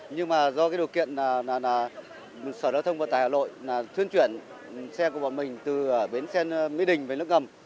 nhưng mà do cái điều kiện sở giao thông vận tải hà nội thuyên chuyển xe của bọn mình từ bến xe mỹ đình về nước ngầm